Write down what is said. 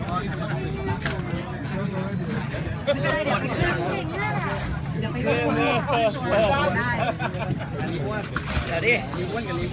โหนี่ป้ามมากนะสุริยะ